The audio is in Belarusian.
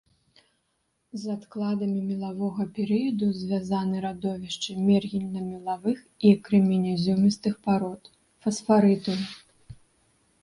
З адкладамі мелавога перыяду звязаны радовішчы мергельна-мелавых і крэменязёмістых парод, фасфарытаў.